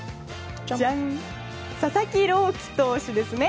佐々木朗希投手ですね。